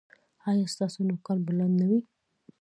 ایا ستاسو نوکان به لنډ نه وي؟